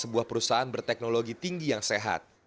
sebuah perusahaan berteknologi tinggi yang sehat